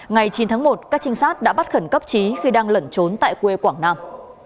ngày chín tháng một các trinh sát đã bắt khẩn cấp trí khi đang lẩn trốn tại quê quảng nam